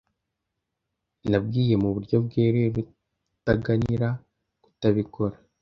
Nabwiye mu buryo bweruye Rutaganira kutabikora.